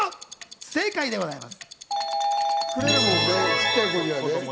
正解でございます。